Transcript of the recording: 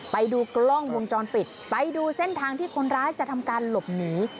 ไปดูกล้องวงจรปิดไปดูเส้นทางที่คนร้ายจะทำการหลบหนี